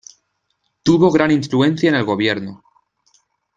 Tuvo gran influencia en el gobierno.